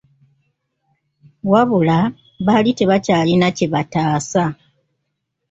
Wabula, baali tebakyalina kye bataasa!